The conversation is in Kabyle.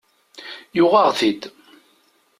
Yuɣ-aɣ-t-id.